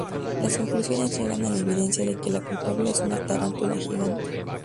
Las conclusiones llegan a la evidencia de que la culpable es una tarántula gigante.